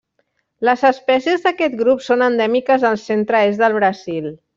Les espècies d'aquest grup són endèmiques del centre-est del Brasil.